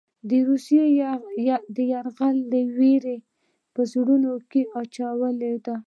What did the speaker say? د روسیې د یرغل وېره یې په زړونو کې اچولې ده.